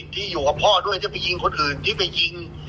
ที่อยู่กับพ่อด้วยที่ไปยิงคนอื่นที่ไปยิง